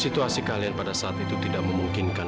situasi kalian pada saat itu tidak memungkinkan